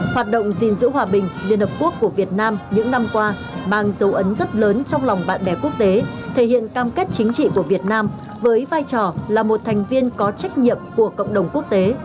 hoạt động gìn giữ hòa bình liên hợp quốc của việt nam những năm qua mang dấu ấn rất lớn trong lòng bạn bè quốc tế thể hiện cam kết chính trị của việt nam với vai trò là một thành viên có trách nhiệm của cộng đồng quốc tế